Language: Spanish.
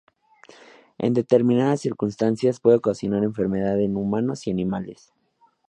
En determinadas circunstancias puede ocasionar enfermedad en humanos y animales.